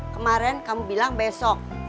kemaren kamu bilang besok